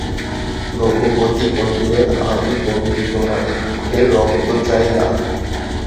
রঘুপতি কহিলেন, আমি গোবিন্দমাণিক্যের রক্ত চাই না।